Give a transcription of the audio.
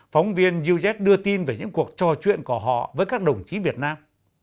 phóng viên uz đưa tin về những cuộc trò chuyện của họ với các đồng chí việt nam